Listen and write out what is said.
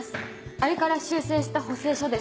あれから修正した補正書です。